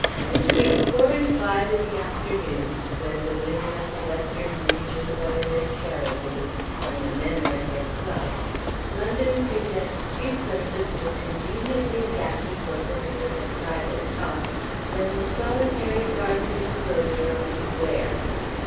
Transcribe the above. Between four and five in the afternoon when the women of the Western regions are in their carriages, and the men are at their clubs London presents few places more conveniently adapted for purposes of private talk than the solitary garden inclosure of a square.